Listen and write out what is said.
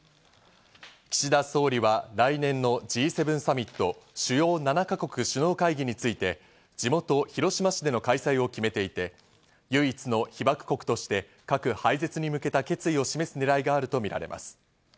岸田総理は来年のＧ７サミット＝主要７か国首脳会議について、地元・広島市での開催を決めていて、唯一の被爆国として核廃絶に向けた決意を示す狙いがあるとみられます。